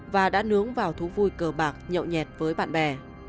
và đã nướng vào thú vui cờ bạc nhậu nhẹt với bạn bè